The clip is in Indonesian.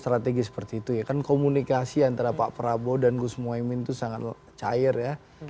strategi seperti itu ya kan komunikasi antara pak prabowo dan gus muhaymin itu sangat cair ya